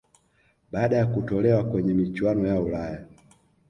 Baada ya kutolewa kwenye michuano ya ulaya